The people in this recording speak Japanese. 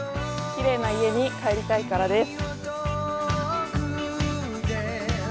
きれいな家に帰りたいからです。